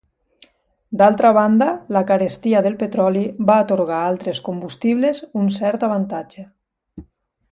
D'altra banda, la carestia del petroli va atorgar a altres combustibles un cert avantatge.